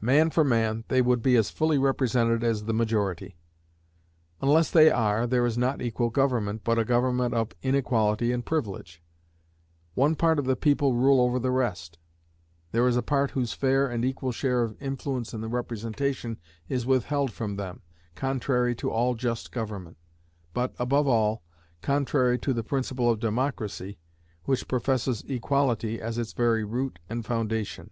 Man for man, they would be as fully represented as the majority. Unless they are, there is not equal government, but a government of inequality and privilege: one part of the people rule over the rest: there is a part whose fair and equal share of influence in the representation is withheld from them, contrary to all just government, but, above all, contrary to the principle of democracy, which professes equality as its very root and foundation.